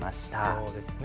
そうですね。